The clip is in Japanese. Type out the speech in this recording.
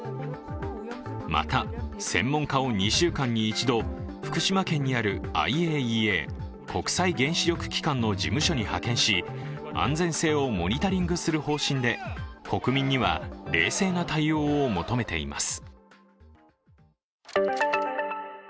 また専門家を２週間に１度、福島県にあるＩＡＥＡ＝国際原子力機関の事務所に派遣し、安全性をモニタリングする方針で国民には冷静な対応を求めています。